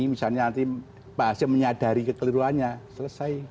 misalnya nanti pak hasim menyadari kekeliruannya selesai